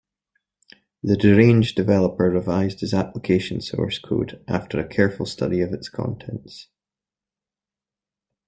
The deranged developer revised his application source code after a careful study of its contents.